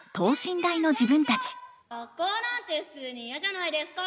学校なんて普通に嫌じゃないですか。